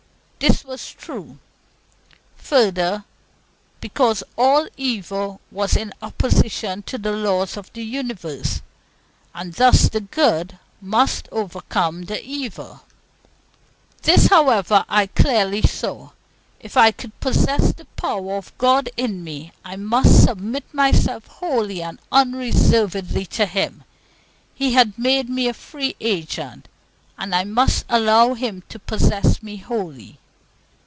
This was true, further, because all evil was in opposition to the laws of the universe, and thus the good must overcome the evil. This, however, I clearly saw: if I would possess the power of God in me, I must submit myself wholly and unreservedly to Him. He had made me a free agent, and I must allow Him to possess me wholly.